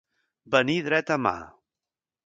Venir dreta mà.